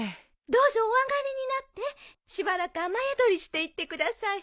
どうぞお上がりになってしばらく雨宿りしていってください。